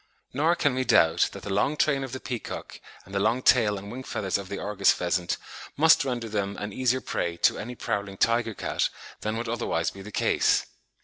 Nor can we doubt that the long train of the peacock and the long tail and wing feathers of the Argus pheasant must render them an easier prey to any prowling tiger cat than would otherwise be the case.